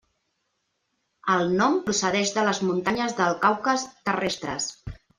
El nom procedeix de les Muntanyes del Caucas terrestres.